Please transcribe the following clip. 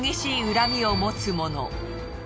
恨みを持つ者。